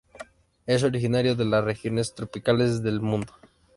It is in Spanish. Es originario de las regiones tropicales del mundo.